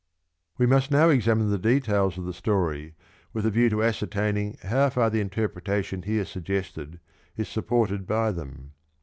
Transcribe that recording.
We must now examine the details of the story with a view to ascertaining how far the interpretation here suggested is supported by them.